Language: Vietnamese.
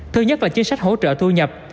thứ nhất là chính sách hỗ trợ thu nhập